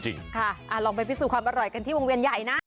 ลองไปพิสูจน์ความอร่อยกันที่วงเวียนใหญ่นะ